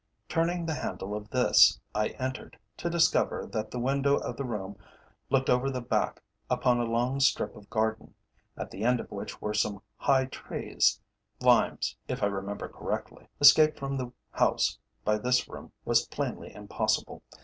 Turning the handle of this I entered, to discover that the window of the room looked over the back, upon a long strip of garden, at the end of which were some high trees limes if I remember correctly. Escape from the house by this room was plainly impossible.